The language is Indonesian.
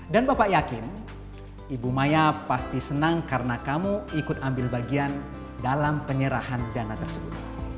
dan bapak yakin ibu maya pasti senang karena kamu ikut ambil bagian dalam penyerahan dana tersebut